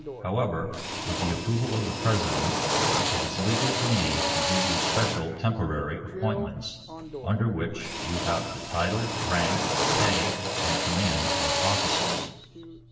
However, with the approval of the President, it is legal for me to give you special, temporary appointments under which you have the title, rank, pay and command of officers.